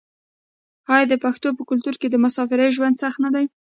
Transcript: آیا د پښتنو په کلتور کې د مسافرۍ ژوند سخت نه دی؟